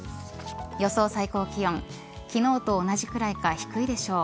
予想最高気温昨日と同じくらいか低いでしょう。